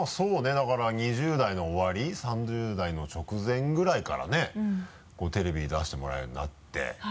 だから２０代の終わり３０代の直前ぐらいからねテレビに出してもらえるようになって。